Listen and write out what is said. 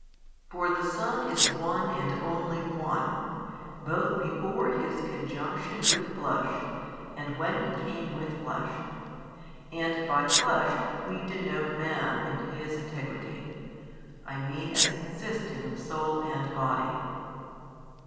For the Son is One and only One, both before His conjunction with flesh, and when He came with flesh; and by flesh we denote man in his integrity, I mean as consisting of soul and body.